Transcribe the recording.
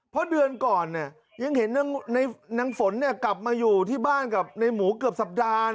เพราะเดือนก่อนยังเห็นนางฝนกลับมาอยู่ที่บ้านกับในหมูเกือบสัปดาห์